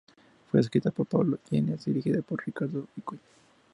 Fue escrita por Pablo Illanes y dirigida por Ricardo Vicuña.